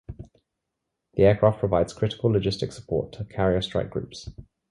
The aircraft provides critical logistics support to carrier strike groups.